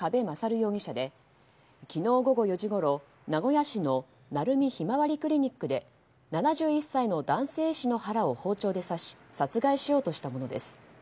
容疑者で昨日午後４時ごろ、名古屋市の鳴海ひまわりクリニックで７１歳の男性医師の腹を包丁で刺し殺害しようとしたものです。